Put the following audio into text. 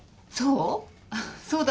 そう？